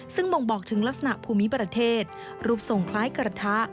ซึ่งบ่งบอกถึงลักษณะภูมิประเทศรูปทรงคล้ายกระทะ